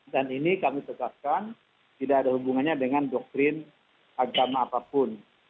dan ini kami tegaskan tidak ada hubungannya dengan doktrin agama apapun